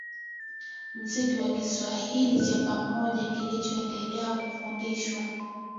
msingi wa Kiswahili cha pamoja kilichoendela kufundishwa